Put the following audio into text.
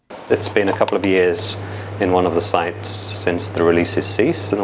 sudah beberapa tahun di salah satu tempat sejak penyelamatan berhenti